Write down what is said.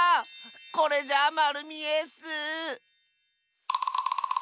これじゃあまるみえッス！